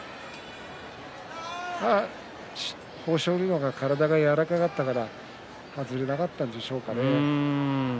豊昇龍の方が体が柔らかかったから外れなかったんでしょうね。